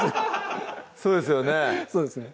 そうですよね？